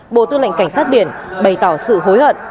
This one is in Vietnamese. bộ tư lệnh cảnh sát biển bày tỏ sự hối hận